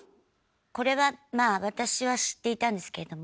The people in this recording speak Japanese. これはまあ私は知っていたんですけども。